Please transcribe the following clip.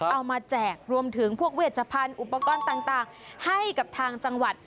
แจกรวมถึงพวกเวชพันธุ์อุปกรณ์ต่างให้กับทางจังหวัด